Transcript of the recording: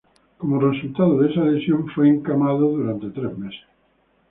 Como resultado de esa lesión, fue confinada a la cama durante tres meses.